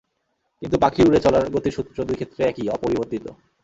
কিন্তু পাখির উড়ে চলার গতির সূত্র দুই ক্ষেত্রে একই, অপরিবর্তিত।